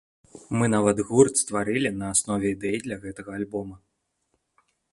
Мы нават гурт стварылі на аснове ідэй для гэтага альбома.